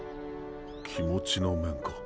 「気持ち」の面か。